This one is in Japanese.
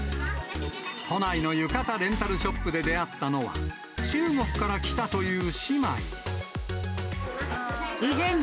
都内の浴衣レンタルショップで出会ったのは、中国から来たという姉妹。